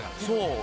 そう。